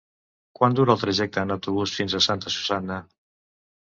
Quant dura el trajecte en autobús fins a Santa Susanna?